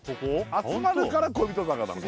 集まるから「恋人坂」なの？